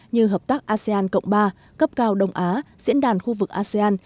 như hợp tác asean cộng ba cấp cao đông á diễn đàn khu vực asean